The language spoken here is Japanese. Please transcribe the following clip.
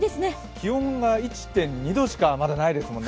気温が１．２度しか上がらないですもんね。